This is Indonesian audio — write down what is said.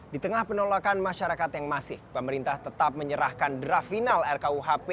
di tengah penolakan masyarakat yang masif pemerintah tetap menyerahkan draft final rkuhp